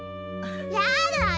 やだよ！